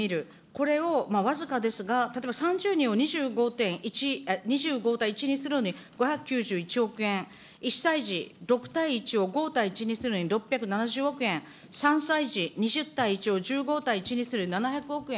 これを僅かですが、例えば３０人を２５．１、２５対１にするのに５９１億円、１歳児６対１を５対１にするのに６７０億円、３歳児、２０対１を１５対１にする７００億円。